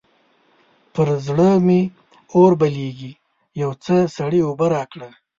پر زړه مې اور بلېږي؛ يو څه سړې اوبه راکړه.